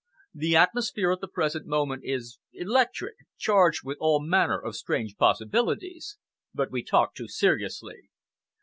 "The atmosphere at the present moment is electric, charged with all manner of strange possibilities. But we talk too seriously.